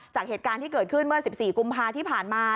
จากเหตุการณ์ที่เกิดขึ้นเมื่อ๑๔กุมภาที่ผ่านมา